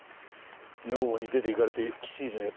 女房に出ていかれて吉次の奴